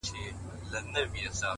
علم د انسان عزت ساتي؛